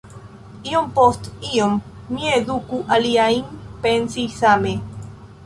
Iom post iom, ni eduku aliajn pensi same.”